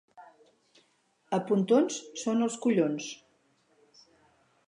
A Pontons són els collons.